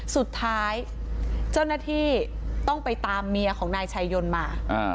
สุดท้ายเจ้าหน้าที่ต้องไปตามเมียของนายชายยนต์มา